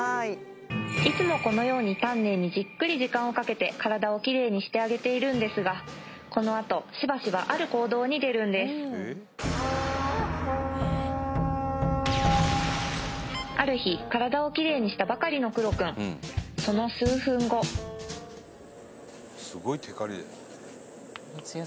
いつもこのように丹念にじっくり時間をかけて体をキレイにしてあげているんですがこのあとしばしばある行動に出るんですある日体をキレイにしたばかりのクロくんその数分後すごいテカリだよ